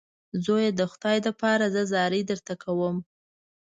زویه د خدای دپاره زه زارۍ درته کوم.